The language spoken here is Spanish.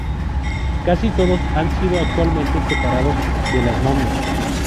Casi todos han sido actualmente separados de las momias.